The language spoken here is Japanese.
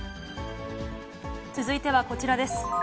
続いてはこちらです。